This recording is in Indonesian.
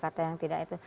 kata kata yang tidak itu